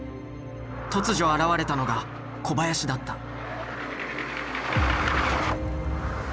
突如現れたのが小林だった。